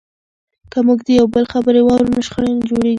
که موږ د یو بل خبرې واورو نو شخړې نه جوړیږي.